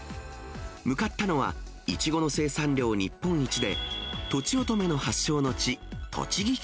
向かったのは、いちごの生産量日本一で、とちおとめの発祥の地、栃木県。